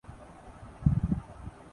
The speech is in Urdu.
بس پانچھ سے دس منٹ لگئیں گے۔